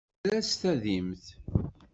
Err-as tadimt.